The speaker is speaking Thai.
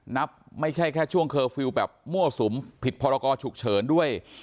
ไม่ใช่แค่ช่วงเคอร์ฟิลล์แบบมั่วสุมผิดพรกรฉุกเฉินด้วย